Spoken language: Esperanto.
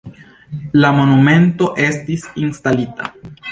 La monumento estis instalita.